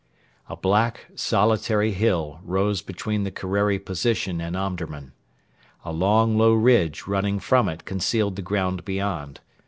A black, solitary hill rose between the Kerreri position and Omdurman. A long, low ridge running from it concealed the ground beyond.